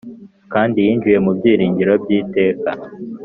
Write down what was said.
kandi, yinjiye mu byiringiro by'iteka,